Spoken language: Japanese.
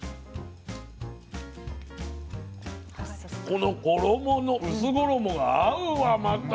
この衣の薄衣が合うわまた。